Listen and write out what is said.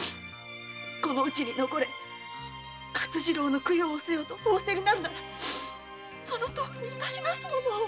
この家に残れ勝次郎の供養をせよと仰せになるならそのとおりに致しますものを。